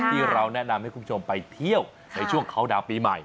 ที่เราแนะนำให้คุณผู้ชมไปเที่ยวในช่วงเขาดาวนปีใหม่